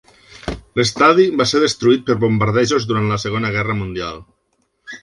L'estadi va ser destruït per bombardejos durant la Segona Guerra Mundial.